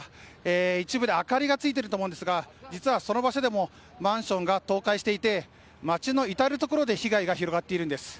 一部で明かりが見えてると思うんですがその場所でもマンションが倒壊していて街の至る所で被害が広がっているんです。